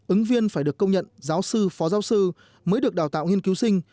ứng viên phải được công nhận giáo sư phó giáo sư mới được đào tạo nghiên cứu sinh